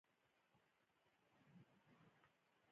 دین رشتې د مینې په تار تړلي یو.